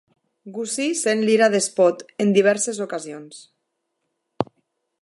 Gussie sent l'ira de Spode en diverses ocasions.